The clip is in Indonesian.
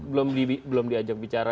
belum diajak bicara